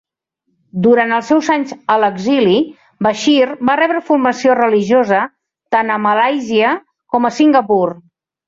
Durant els seus anys a l'exili, Bashir va rebre formació religiosa tant a Malàisia com a Singapur.